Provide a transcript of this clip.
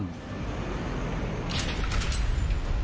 ที่จังหวัดขอนแก่นกระดูกปฏิเหตุรถบรรทุกเสียหลักลงข้างทาง